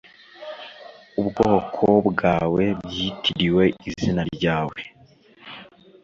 ubwoko bwawe byitiriwe izina ryawe